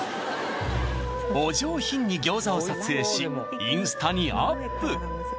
お上品に餃子を撮影しインスタにアップ！